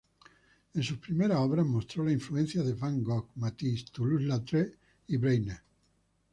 En sus primeras obras mostró la influencia de Van Gogh, Matisse, Toulouse-Lautrec y Breitner.